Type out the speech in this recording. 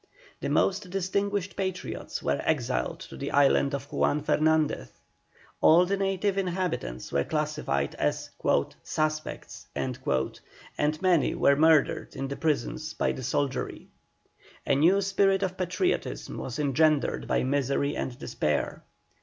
The most distinguished patriots were exiled to the island of Juan Fernandez; all the native inhabitants were classified as "suspects," and many were murdered in the prisons by the soldiery. A new spirit of patriotism was engendered by misery and despair.